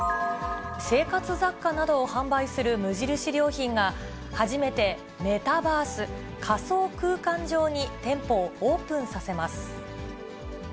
生活雑貨などを販売する無印良品が、初めて、メタバース・仮想空間上に店舗をオープンさせます。